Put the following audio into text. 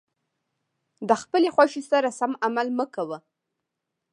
د خپلې خوښې سره سم عمل مه کوه.